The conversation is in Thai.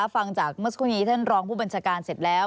ฟังจากเมื่อสักครู่นี้ท่านรองผู้บัญชาการเสร็จแล้ว